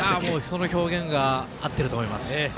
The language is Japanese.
その表現が合ってると思います。